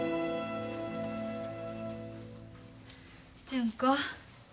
純子。